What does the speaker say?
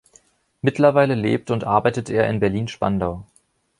Mittlerweile lebt und arbeitet er in Berlin-Spandau.